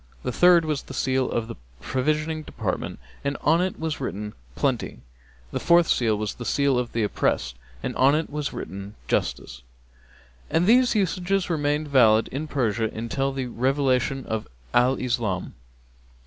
The third was the seal of the provisioning department and on it was written, Plenty. The fourth was the seal of the oppressed, and on it was written, Justice. And these usages remained valid in Persia until the revelation of Al Islam.